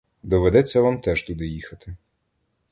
Доведеться вам теж туди їхати.